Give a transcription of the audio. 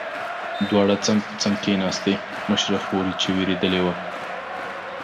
دواړې څنګ په څنګ کېناستې، مشره خور یې چې وېرېدلې وه.